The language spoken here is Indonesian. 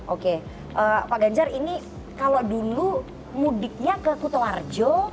oke pak ganjar ini kalau dulu mudiknya ke kutoarjo